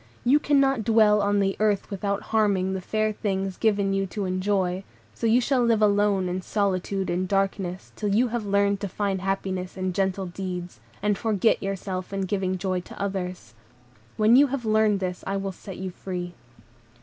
You cannot dwell on the earth without harming the fair things given you to enjoy, so you shall live alone in solitude and darkness, till you have learned to find happiness in gentle deeds, and forget yourself in giving joy to others. When you have learned this, I will set you free."